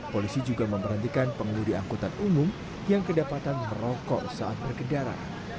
polisi juga memberhentikan pengemudi angkutan umum yang kedapatan merokok saat berkendara